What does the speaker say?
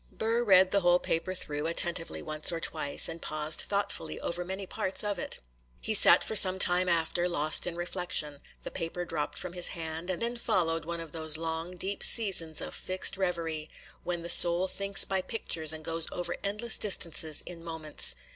Burr read the whole paper through attentively once or twice, and paused thoughtfully over many parts of it. He sat for some time after, lost in reflection; the paper dropped from his hand, and then followed one of those long, deep seasons of fixed reverie, when the soul thinks by pictures and goes over endless distances in moments.